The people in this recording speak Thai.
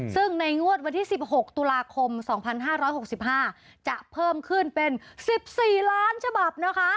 ซึ่งในงวดวันที่สิบหกตุลาคมสองพันห้าร้อยหกสิบห้าจะเพิ่มขึ้นเป็นสิบสี่ล้านฉบับนะคะ